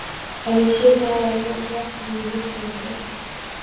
Alisher Navoiyni o‘qiyapsizmi deb so‘rasak.